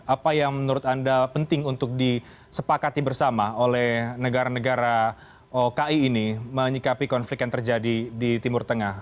apa yang menurut anda penting untuk disepakati bersama oleh negara negara oki ini menyikapi konflik yang terjadi di timur tengah